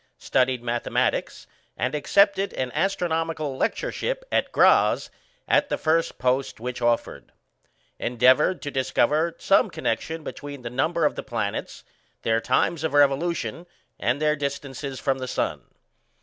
Studied mathematics, and accepted an astronomical lectureship at Graz as the first post which offered. Endeavoured to discover some connection between the number of the planets, their times of revolution, and their distances from the sun.